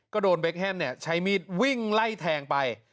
ก็โดนเบคแฮมใช้มีดวิ่งไล่แทงไป